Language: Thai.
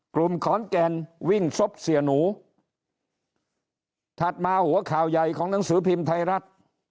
กลุ่มขอนแก่นวิ่งซบเสียหนูถัดมาหัวข่าวใหญ่ของหนังสือพิมพ์ไทยรัฐ